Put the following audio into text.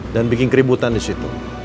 dan bikin keributan disitu